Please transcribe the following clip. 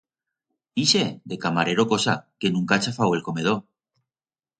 Ixe, de camarero cosa, que nunca ha chafau el comedor.